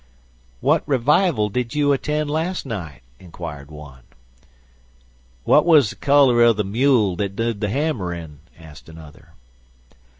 "What revival did you attend last night?" inquired one. "What was the color of the mule that did the hammering?" asked another.